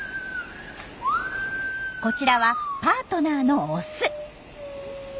こちらはパートナーのオス。